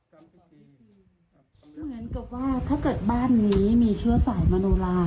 เหมือนกับว่าถ้าเกิดบ้านนี้มีเชื้อสายมโนลา